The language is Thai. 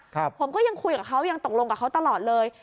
ผมก็ยังคุยกับเขายังตกลงกับเขาตลอดเลย